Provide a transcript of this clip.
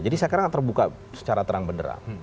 jadi sekarang terbuka secara terang beneran